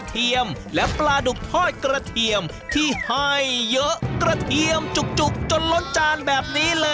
เพราะมนุมเด็ดก็คือ